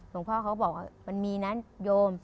หลวงพ่อเขาบอกว่ามันมีนะโยม